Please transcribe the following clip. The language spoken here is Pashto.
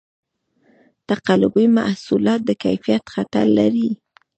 تقلبي محصولات د کیفیت خطر لري.